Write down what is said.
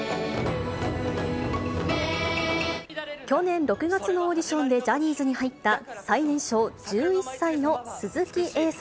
去年６月のオーディションでジャニーズに入った最年少１１歳の鈴木瑛